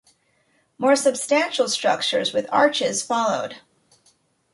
More substantial structures with arches followed.